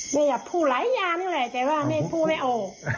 แม่อย่าพูดหลายอย่างเลยแจ้ว่าแม่พูดแม่โอ้